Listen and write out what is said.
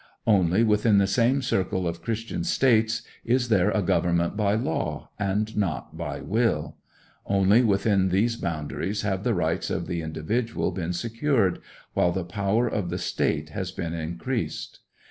Only within the same circle of Christian states is there a government by law, and not by will. Only within these boundaries have the rights of the individual been secured, while the power of the state has been increased.